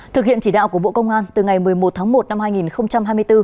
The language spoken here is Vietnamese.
thực hiện chỉ đạo của bộ công an từ ngày một mươi một tháng một năm hai nghìn hai mươi bốn